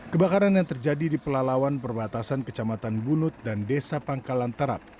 kebakaran yang terjadi di pelalawan perbatasan kecamatan bunut dan desa pangkalan terap